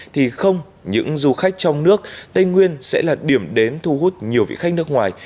thì không những du khách trong nước tây nguyên sẽ là điểm đến thu hút nhiều vị khách nước ngoài